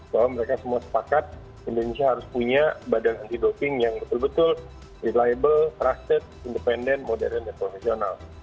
bahwa mereka semua sepakat indonesia harus punya badan anti doping yang betul betul reliable trusted independen modern dan profesional